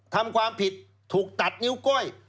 ทำความผิดถูกตัดนิ้วก้อย